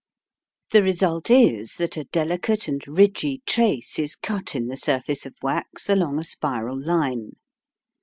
The result is that a delicate and ridgy trace is cut in the surface of wax along a spiral line.